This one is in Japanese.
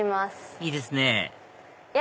いいですねいや。